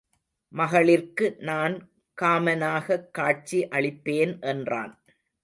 மகளிர்க்கு நான் காமனாகக் காட்சி அளிப்பேன் என்றான்.